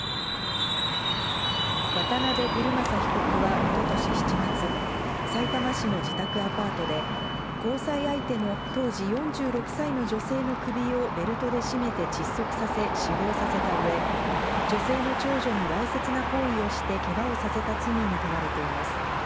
渡部てるまさ被告はおととし７月、さいたま市の自宅アパートで、交際相手の当時４６歳の女性の首をベルトで絞めて窒息させ死亡させたうえ、女性の長女にわいせつな行為をして、けがをさせた罪に問われています。